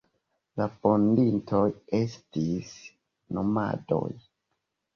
La fondintoj estis nomadoj.